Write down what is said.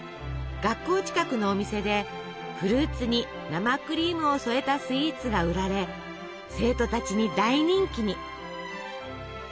学校近くのお店でフルーツに生クリームを添えたスイーツが売られ生徒たちに大人気に。